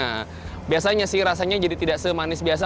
nah biasanya sih rasanya jadi tidak semanis biasa